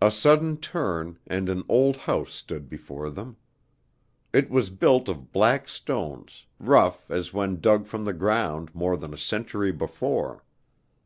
A sudden turn, and an old house stood before them. It was built of black stones, rough as when dug from the ground more than a century before.